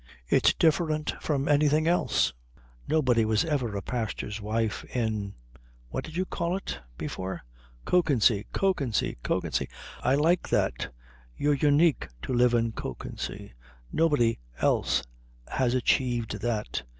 "It's different from anything else. Nobody was ever a pastor's wife in what did you call it? before." "Kökensee." "Kökensee. Kökensee. I like that. You're unique to live in Kökensee. Nobody else has achieved that."